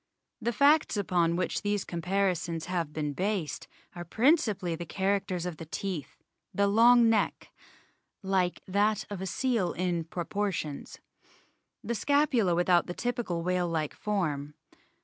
The facts upon which these comparisons have been based are principally the characters of the teeth, the long neck "like that of a seal in proportions" the scapula without the typical whale like form.